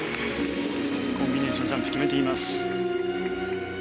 コンビネーションジャンプ決めています。